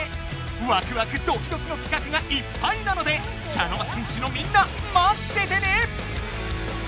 ワクワクドキドキの企画がいっぱいなので茶の間戦士のみんなまっててね！